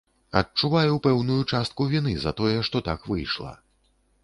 Адчуваю пэўную частку віны за тое што, так выйшла.